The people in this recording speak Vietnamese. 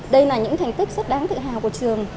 đây là những thành tích rất đáng tự hào của trường